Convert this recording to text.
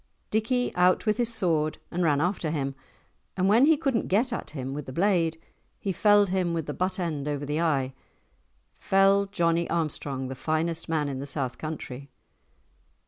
Dickie out with his sword and ran after him, and when he could not get at him with the blade, he felled him with the butt end over the eye, felled Johnie Armstrong, the finest man in the south country.